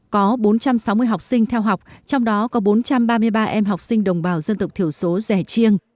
có bốn trăm sáu mươi học sinh theo học trong đó có bốn trăm ba mươi ba em học sinh đồng bào dân tộc thiểu số rẻ chiêng